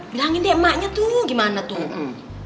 bilangin deh emaknya tuh gimana tuh